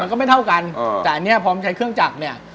ฮะมันก็ไม่เท่ากันอ๋อแต่อันเนี้ยพอใช้เครื่องจักรเนี้ย